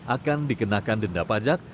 akan dikenakan denda pajak